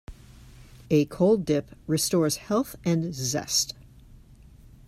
A cold dip restores health and zest.